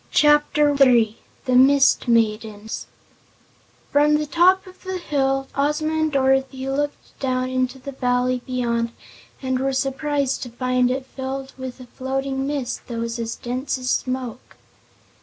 Chapter Three The Mist Maidens From the top of the hill Ozma and Dorothy looked down into the valley beyond and were surprised to find it filled with a floating mist that was as dense as smoke.